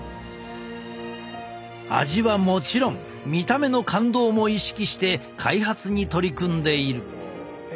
味はもちろん見た目の感動も意識して開発に取り組んでいる。